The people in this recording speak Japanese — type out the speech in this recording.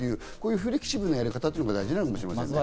フレキシブルなやり方が大事なのかもしれませんね。